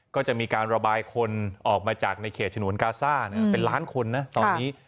ก็จะมีการระบายคนออกมาจากในเขตฉนวนกาซ่าเป็นล้านคนนะตอนนี้